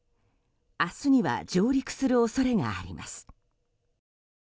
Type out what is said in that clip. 明日には上陸する恐れがあります。